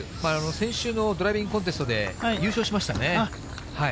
先週のドライビングコンテストで優勝しましたね。